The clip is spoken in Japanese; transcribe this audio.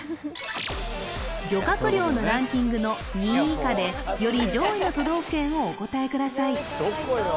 漁獲量のランキングの２位以下でより上位の都道府県をお答えください